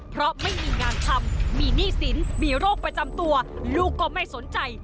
เพราะไม่มีงานทำมีหนี้สินมีโรคประจำตัวลูกก็ไม่สนใจ